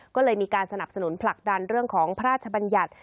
ก็เลยมีการสนับสนุนผลักดันเรื่องของพระราชบัญญัติ